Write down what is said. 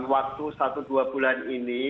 waktu satu dua bulan ini